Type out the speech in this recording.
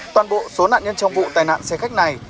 toàn bộ số nạn nhân trong vụ tai nạn xe khách này